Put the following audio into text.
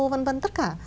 vân vân tất cả